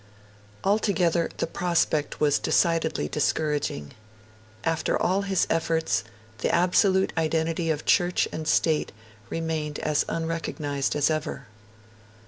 Altogether, the prospect was decidedly discouraging. After all his efforts, the absolute identity of Church and State remained as unrecognised as ever.